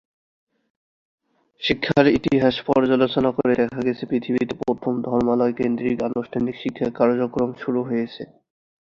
শিক্ষার ইতিহাস পর্যালোচনা করে দেখা গেছে, পৃথিবীতে প্রথম ধর্মালয় কেন্দ্রিক আনুষ্ঠানিক শিক্ষা কার্যক্রম শুরু হয়েছে।